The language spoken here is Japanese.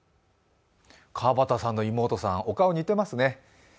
川端さんの妹さん、お顔、似ていますね。